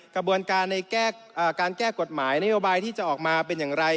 กระบวนการในการแก้กฎหมายนโยบายที่จะออกมาเป็นอย่างไร